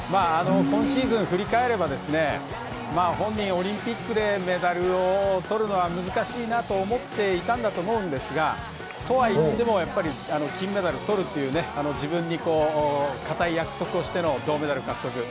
今シーズン振り返れば本人、オリンピックでメダルをとるのは難しいなと思っていたと思いますがとはいっても金メダルとるという自分に固い約束をしての銅メダル獲得。